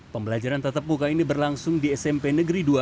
pembelajaran tata buka ini berlangsung di smp negeri dua